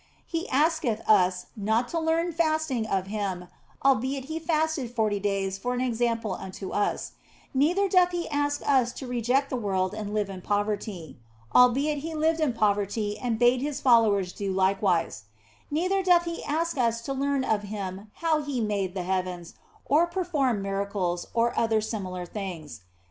He asketh us not to learn fasting of Him, albeit He fasted forty days for an example unto us ; neither doth He ask us to reject the world and live in poverty, albeit He lived in poverty and bade His followers do likewise ; neither doth He ask us to learn of Him how He made the heavens, or performed miracles, or other similar things.